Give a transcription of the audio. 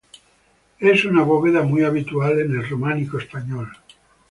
Es una bóveda muy habitual en el románico español.